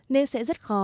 nên sẽ rất khó